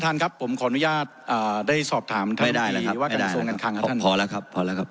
อ่าได้สอบถามไม่ได้แหละครับพอแล้วครับพอแล้วครับ